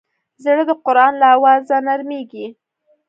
زړه د قرآن له اوازه نرمېږي.